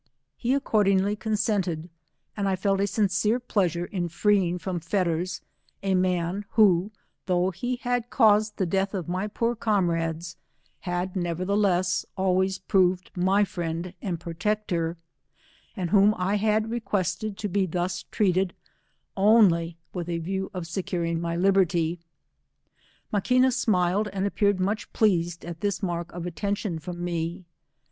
He accordingly consent ed, and I felt a sincere pleasure in freeing from fetters, a man, who, though he had caused the death of my poor comrades, had nevertheless, always proved my friend and protector, and whom I had requested to be thus treated, only with a vieWjOf securing my liberty. Maquina smiled and appeared mnch pleased at this mark of attention from me.